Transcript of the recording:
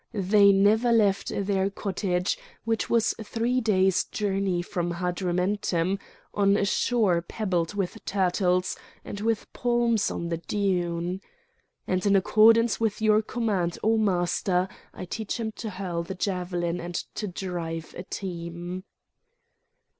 They never left their cottage, which was three days' journey from Hadrumetum, on a shore peopled with turtles, and with palms on the dune. "And in accordance with your command, O Master! I teach him to hurl the javelin and to drive a team."